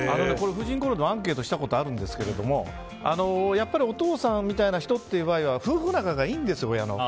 「婦人公論」でもアンケートしたことあるんですがお父さんみたいな人っていう場合は親の夫婦仲がいいんですよ。